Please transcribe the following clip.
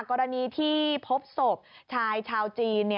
กรณีที่พบศพชายชาวจีน